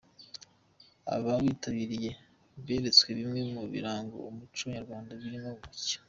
Abawitabiriye beretswe bimwe mu biranga umuco nyarwanda birimo gusya.